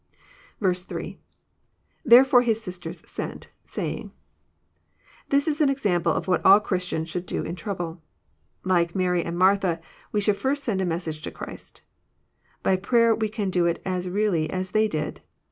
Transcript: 8. —[ Therefore his sisters sent. . .saying.'] This is an example of what all Christians should do in trouble. Like Mary aud Martha, we should first send a message to Christ. By prayer we can do it as really as they did.